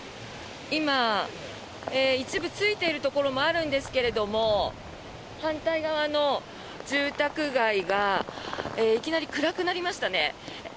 今、一部ついているところもあるんですけれども反対側の住宅街がいきなり暗くなりましたね。